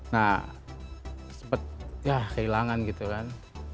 nah sempet ya kehilangan gitu kan